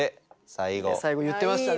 最後言ってましたね。